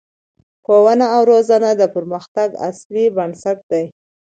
ښوونه او روزنه د پرمختګ اصلي بنسټ دی